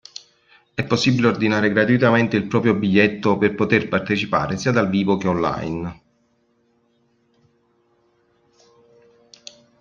È possibile ordinare gratuitamente il proprio biglietto per poter partecipare sia dal vivo che online.